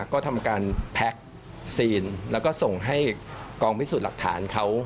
ก็ทำการแพ็คซีนแล้วก็ส่งให้กองพิสูจน์หลักฐานเขา